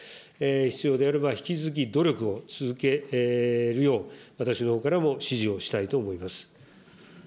必要であれば引き続き努力を続けるよう、私のほうからも指示をしたいと思います。